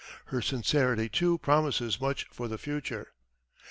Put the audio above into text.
Her sincerity, too, promises much for the future.